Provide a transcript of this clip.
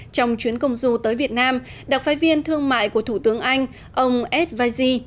trong chuyến công du tới việt nam đặc phái viên thương mại của thủ tướng anh ông ed vizi